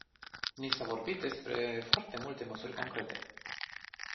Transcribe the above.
Ni s-a vorbit despre foarte multe măsuri concrete.